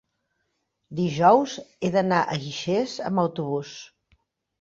dijous he d'anar a Guixers amb autobús.